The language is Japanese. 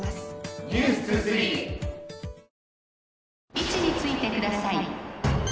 位置についてください